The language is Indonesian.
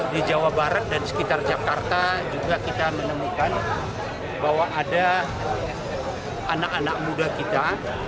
di jawa barat dan sekitar jakarta juga kita menemukan bahwa ada anak anak muda kita